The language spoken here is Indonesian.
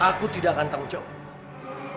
aku tidak akan tanggung jawab